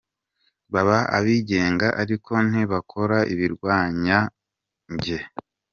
Baba abigenga ariko ntibakora ibirwanya njye.